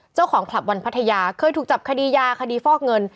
เจ้าของคลับวรรณภัยาเคยถูกจับคดียาคดีฟอกเงิน